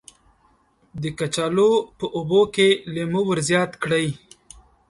د کچالو په اوبو کې لیمو ور زیات کړئ.